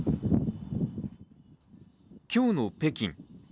今日の北京。